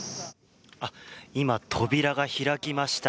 今、扉が開きました。